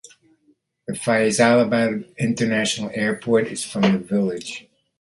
The Faisalabad International Airport is from the village.